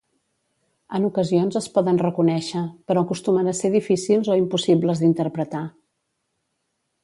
En ocasions es poden reconèixer, però acostumen a ser difícils o impossibles d'interpretar.